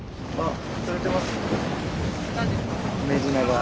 何ですか？